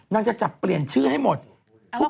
นั่งจะจับเปลี่ยนชื่อให้หมดทุกคน